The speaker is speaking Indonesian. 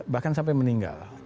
bahkan sampai meninggal